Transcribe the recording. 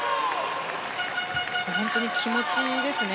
本当に気持ちですね。